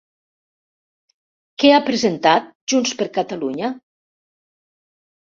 Què ha presentat Junts per Catalunya?